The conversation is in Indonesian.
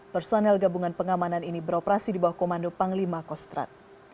personel gabungan pengamanan ini beroperasi di bawah komando panglima kostrat